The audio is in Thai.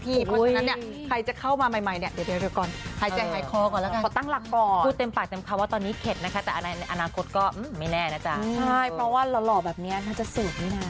แต่ว่าสถานะภาพตอนนี้เหมือนเลยใช่